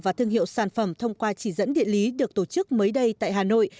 và thương hiệu sản phẩm thông qua chỉ dẫn địa lý được tổ chức mới đây tại hà nội